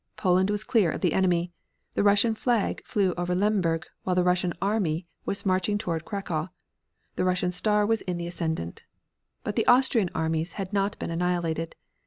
Poland was clear of the enemy. The Russian flag flew over Lemberg, while the Russian army was marching toward Cracow. The Russian star was in the ascendant. But the Austrian armies had not been annihilated.